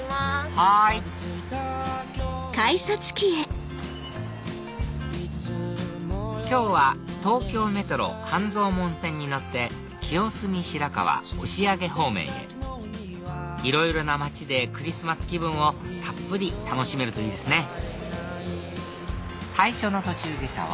はい今日は東京メトロ半蔵門線に乗って清澄白河押上方面へいろいろな街でクリスマス気分をたっぷり楽しめるといいですね最初の途中下車は？